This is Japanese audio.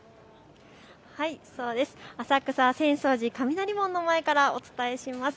浅草、浅草寺雷門の前からお伝えします。